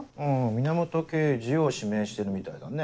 源刑事を指名してるみたいだね。